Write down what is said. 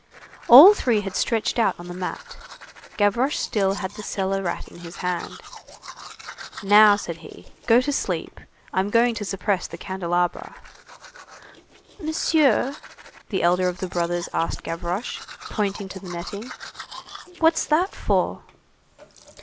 All three had stretched out on the mat. Gavroche still had the cellar rat in his hand. "Now," said he, "go to sleep! I'm going to suppress the candelabra." "Monsieur," the elder of the brothers asked Gavroche, pointing to the netting, "what's that for?"